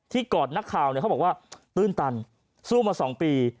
กอดนักข่าวเขาบอกว่าตื้นตันสู้มา๒ปี